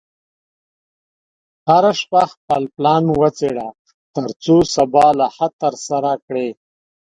هره شپه خپل پلان وڅېړه، ترڅو سبا لا ښه ترسره کړې.